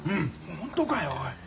本当かよおい。